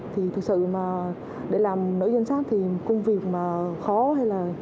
thì thực sự mà để làm nữ danh sát thì công việc mà khó hay là